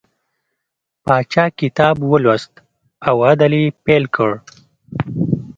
پاچا کتاب ولوست او عدل یې پیل کړ.